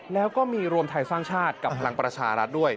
แล้วก็มีรวมไทยสร้างชาติกับพลังประชารัฐด้วย